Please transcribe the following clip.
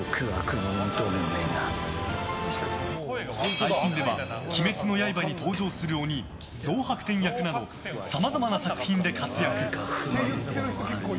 最近では、「鬼滅の刃」に登場する鬼・憎珀天役などさまざまな作品で活躍。